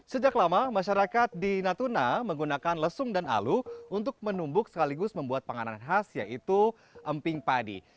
sejak lama masyarakat di natuna menggunakan lesung dan alu untuk menumbuk sekaligus membuat penganan khas yaitu emping padi